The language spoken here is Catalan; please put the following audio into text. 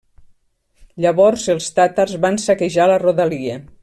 Llavors els tàtars van saquejar la rodalia.